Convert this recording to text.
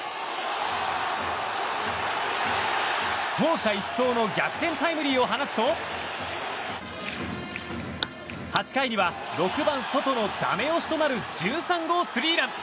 走者一掃の逆転タイムリーを放つと８回には６番、ソトのダメ押しとなる１３号スリーラン。